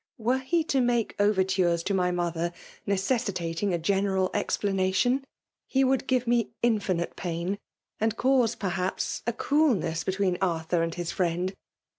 Were he to mak« overtures to my mother necessitating a general explanation, he rfi^UAliE DOH1MATI0K; 24^ would give me infinite pain^ and cause, perhaps a ooolness between Arthur and his friend.